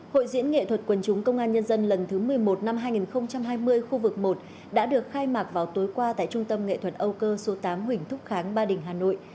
hội diễn nghệ thuật quần chúng công an nhân dân lần thứ một mươi một năm hai nghìn hai mươi khu vực một đã được khai mạc vào tối qua tại trung tâm nghệ thuật âu cơ số tám huỳnh thúc kháng ba đình hà nội